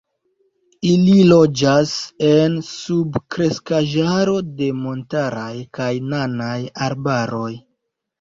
Ili loĝas en subkreskaĵaro de montaraj kaj nanaj arbaroj.